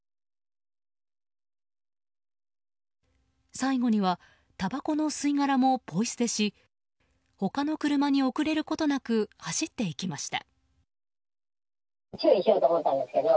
最後にはたばこの吸い殻もポイ捨てし他の車に遅れることなく走っていきました。